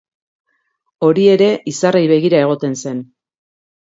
Hori ere, izarrei begira egoten zen!